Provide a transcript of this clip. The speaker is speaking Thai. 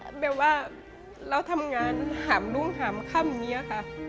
แบบว่าเราทำงานหามรุ่งหามค่ำอย่างนี้ค่ะ